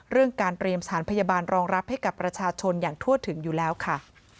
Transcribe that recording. เรื่องการเตรียมสถานพยาบาลรองรับให้กับประชาชนอย่างทั่วถึงอยู่แล้วค่ะ